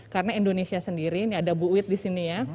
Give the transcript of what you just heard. karena indonesia sendiri ini ada bu wit di sini ya